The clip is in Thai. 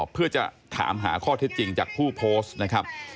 เพื่อจะถามหาข้อเท็จจริงจากผู้โพสต์นะครับ